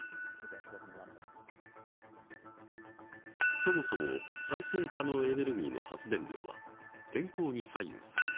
そもそも再生可能エネルギーの発電量は天候に左右される。